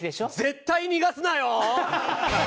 絶対逃がすなよ！